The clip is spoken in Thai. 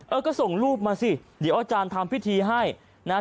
เออก็ส่งรูปมาสิเดี๋ยวอาจารย์ทำพิธีให้นะฮะ